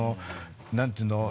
何て言うの？